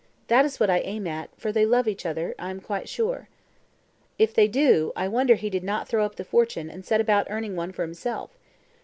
That is what I aim at, for they love each other, I am quite sure." "If they do, I wonder he did not throw up the fortune, and set about earning one for himself.